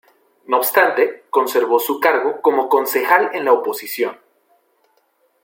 No obstante, conservó su cargo como concejal en la oposición.